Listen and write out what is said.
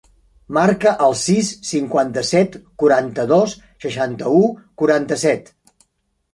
Marca el sis, cinquanta-set, quaranta-dos, seixanta-u, quaranta-set.